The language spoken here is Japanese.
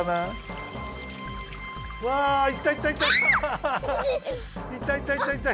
アハハいったいったいった！